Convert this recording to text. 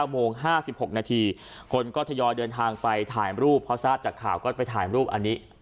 โมง๕๖นาทีคนก็ทยอยเดินทางไปถ่ายรูปเพราะทราบจากข่าวก็ไปถ่ายรูปอันนี้